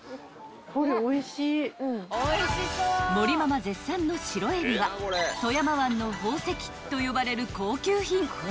［盛りママ絶賛の白えびは富山湾の宝石と呼ばれる高級品］